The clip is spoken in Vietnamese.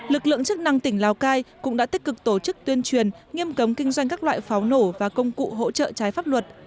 lực lượng chức năng tỉnh lào cai cũng đã tích cực tổ chức tuyên truyền nghiêm cấm kinh doanh các loại pháo nổ và công cụ hỗ trợ trái pháp luật